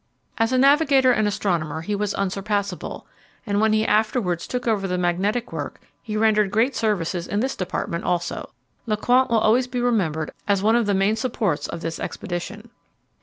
As a navigator and astronomer he was unsurpassable, and when he afterwards took over the magnetic work he rendered great services in this department also. Lecointe will always be remembered as one of the main supports of this expedition.